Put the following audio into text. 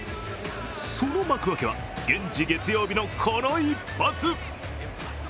その幕開けは現地月曜日のこの一発。